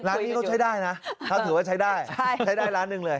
ร้านนี้เขาใช้ได้นะเขาถือว่าใช้ได้ใช้ได้ร้านหนึ่งเลย